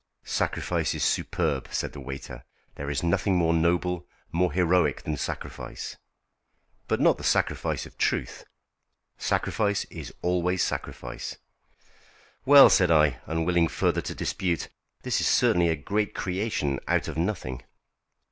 "Sacrifice is superb!" said the waiter. "There is nothing more noble, more heroic than sacrifice." "But not the sacrifice of truth." "Sacrifice is always sacrifice." "Well," said I, unwilling further to dispute, "this is certainly a great creation out of nothing."